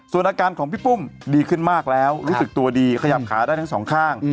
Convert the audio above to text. ส่วนอาการของพี่ปุ้มดีขึ้นมากแล้วรู้สึกตัวดีขยับขาได้ทั้งสองข้าง